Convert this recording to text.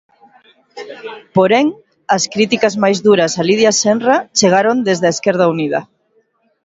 Porén, as críticas máis duras a Lidia Senra chegaron desde Esquerda Unida.